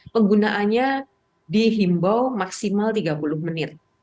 penggunaannya dihimbau maksimal tiga puluh menit